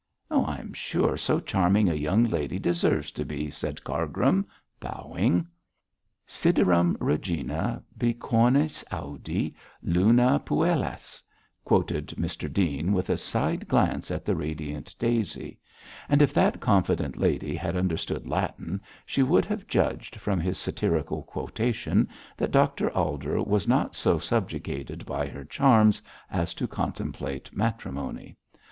'I am sure so charming a young lady deserves to be,' said Cargrim, bowing. 'Siderum regina bicornis audi, Luna puellas,' quoted Mr Dean, with a side glance at the radiant Daisy; and if that confident lady had understood Latin, she would have judged from this satirical quotation that Dr Alder was not so subjugated by her charms as to contemplate matrimony.